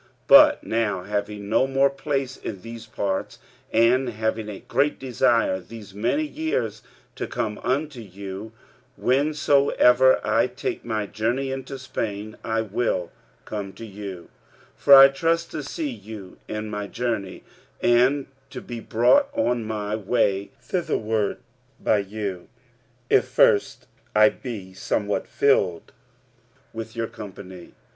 45:015:023 But now having no more place in these parts, and having a great desire these many years to come unto you; 45:015:024 Whensoever I take my journey into Spain, I will come to you: for I trust to see you in my journey, and to be brought on my way thitherward by you, if first I be somewhat filled with your company.